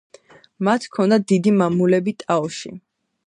მათ ჰქონდათ დიდი მამულები ტაოში.